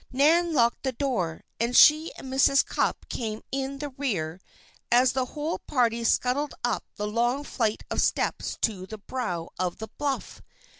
Nan locked the door, and she and Mrs. Cupp came in the rear as the whole party scuttled up the long flight of steps to the brow of the bluff.